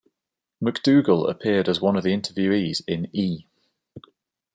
McDougal appeared as one of the interviewees in E!